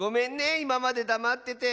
いままでだまってて。